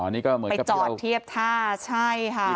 อ๋อนี่ก็เหมือนกับที่เราไปจอดเทียบท่าใช่ค่ะ